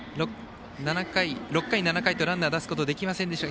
６回、７回とランナーを出すことができませんでした。